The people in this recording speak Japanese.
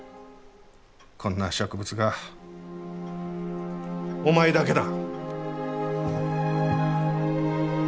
こんな植物画お前だけだ。